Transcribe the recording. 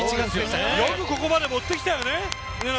よくここまで持ってきましたよね。